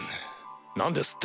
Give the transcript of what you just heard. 何ですって？